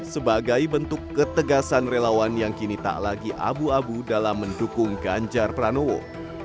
sebagai bentuk ketegasan relawan yang kini tak lagi abu abu dalam mendukung ganjar pranowo